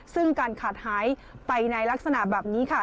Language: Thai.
ซึ่งการขาดหายไปในลักษณะแบบนี้ค่ะ